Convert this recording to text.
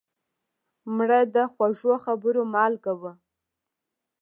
مړه د خوږو خبرو مالګه وه